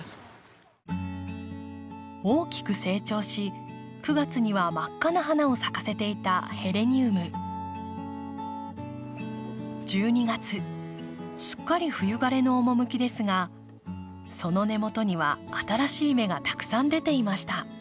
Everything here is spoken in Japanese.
大きく成長し９月には真っ赤な花を咲かせていた１２月すっかり冬枯れの趣ですがその根元には新しい芽がたくさん出ていました。